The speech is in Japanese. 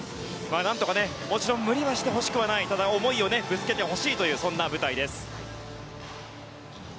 何とか、もちろん無理はしてほしくないが思いをぶつけてほしいというそんな舞台です。